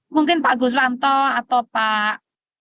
mungkin pak guswanto atau pak